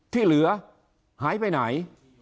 ที่เหลือหายไปไหน